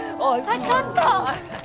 あっちょっと！